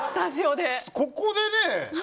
ここでね。